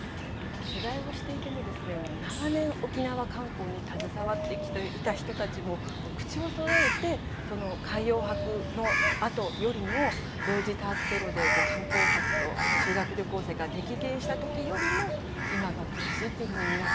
取材をしていても長年沖縄観光に携わってきていた人たちも口をそろえて海洋博のあとよりも同時多発テロで観光客と修学旅行生が激減した時よりも今が苦しいっていうふうに皆さんおっしゃるんですよね。